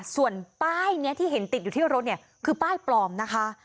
ส่วนป้ายนี้ที่เห็นติดอยู่ที่รถเนี่ยคือป้ายปลอมนะคะ